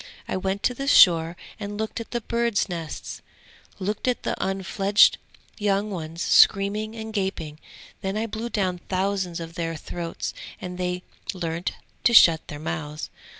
I went to the shore and looked at the birds' nests, looked at the unfledged young ones screaming and gaping; then I blew down thousands of their throats and they learnt to shut their mouths.